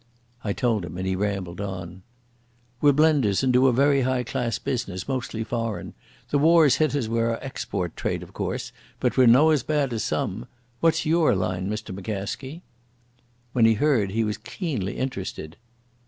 I told him and he rambled on. "We're blenders and do a very high class business, mostly foreign. The war's hit us wi' our export trade, of course, but we're no as bad as some. What's your line, Mr McCaskie?" When he heard he was keenly interested.